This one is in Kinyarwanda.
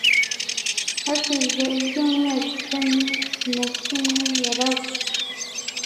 hashize ibyumweru cumin a kimwe yarabuze